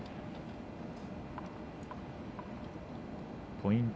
ポイント